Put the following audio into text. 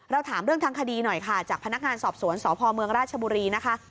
ถามเรื่องทางคดีหน่อยค่ะจากพนักงานสอบสวนสพเมืองราชบุรีนะคะ